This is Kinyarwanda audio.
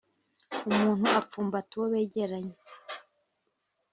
Umuntu apfumbata uwo begeranye